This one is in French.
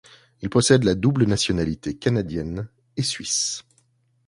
Il possède la double nationalité canadienne et suisse.